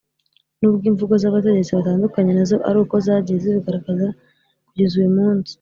n’ubwo imvugo z’abategetsi batandukanye nazo ari uko zagiye zibigaragaza kugeza uyu munsi